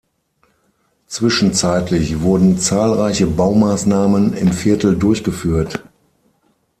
Zwischenzeitlich wurden zahlreiche Baumaßnahmen im Viertel durchgeführt.